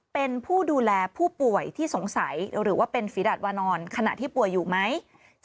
เป็นผู้ดูแลผู้ป่วยที่สงสัยหรือว่าเป็นฝีดาตวานอนขณะที่ป่วยอยู่ไหม